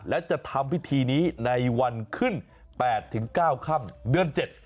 และจะทำพิธีนี้ในวันขึ้น๘๙ค่ำเดือน๗